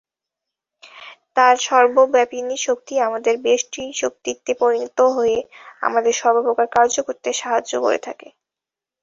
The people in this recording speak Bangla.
তাঁর সর্বব্যাপিনী শক্তিই আমাদের ব্যষ্টিশক্তিতে পরিণত হয়ে আমাদের সর্বপ্রকার কার্য করতে সাহায্য করে থাকে।